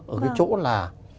ở cái chỗ là